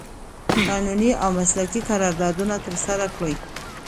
قانوني او مسلکي قراردادونه ترسره کړي